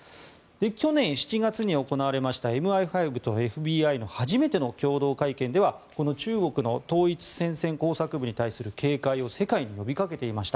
去年７月に行われましたＭＩ５とＦＢＩの初めての共同会見ではこの中国の統一戦線工作部に対する警戒を世界に呼びかけていました。